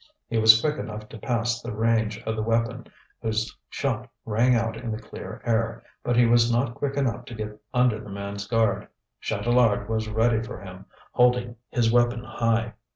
He was quick enough to pass the range of the weapon, whose shot rang out in the clear air, but he was not quick enough to get under the man's guard. Chatelard was ready for him, holding his weapon high.